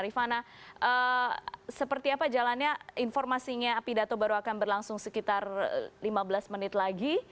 rifana seperti apa jalannya informasinya pidato baru akan berlangsung sekitar lima belas menit lagi